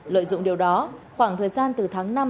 lợi dụng điều đó khoảng thời gian từ tháng năm